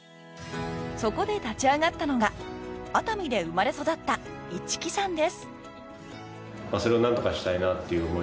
そこで立ち上がったのが熱海で生まれ育った市来さんです。